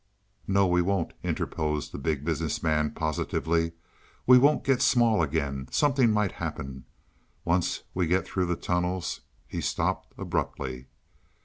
"No, we won't," interposed the Big Business Man positively. "We won't get small again. Something might happen. Once we get through the tunnels " He stopped abruptly.